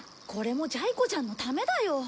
これもジャイ子ちゃんのためだよ。